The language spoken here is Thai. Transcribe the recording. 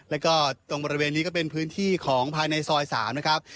แล้วก็ตรงบริเวณนี้ก็เป็นพื้นที่ของภายในซอย๓นะครับ